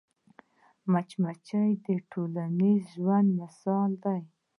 مچمچۍ د ټولنیز ژوند مثال ده